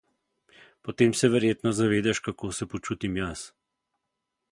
Potem se verjetno zavedaš kako se počutim jaz.